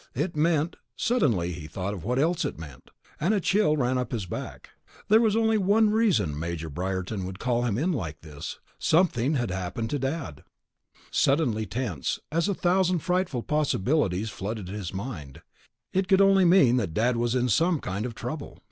It meant.... Suddenly he thought of what else it meant, and a chill ran up his back. There was only one reason Major Briarton would call him in like this. Something had happened to Dad. Greg leaned back in the cot, suddenly tense, as a thousand frightful possibilities flooded his mind. It could only mean that Dad was in some kind of trouble.